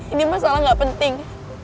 ini masalah gak penting